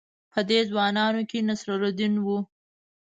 په دې ځوانانو کې نصرالدین وو.